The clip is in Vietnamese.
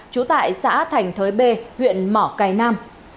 trú tại xã thành thới b huyện mỏ cài nam